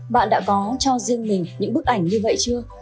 bạn đã có cho riêng mình những bức ảnh như vậy chưa